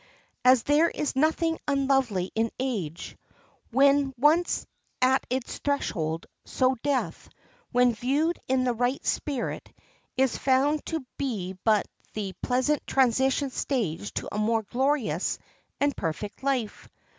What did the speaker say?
As there is nothing unlovely in age, when once at its threshold, so death, when viewed in the right spirit, is found to be but the pleasant transition stage to a more glorious and perfect life.